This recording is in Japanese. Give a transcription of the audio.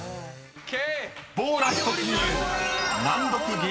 ＯＫ！